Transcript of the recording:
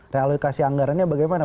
realokasi anggarannya bagaimana